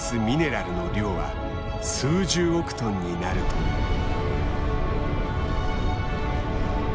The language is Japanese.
ミネラルの量は数十億トンになるという。